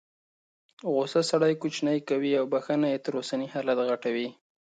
غوسه سړی کوچنی کوي او بخښنه یې تر اوسني حالت غټوي.